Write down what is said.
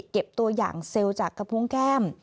เก็บตัวอย่างเซลล์จากกระพุงแก้ม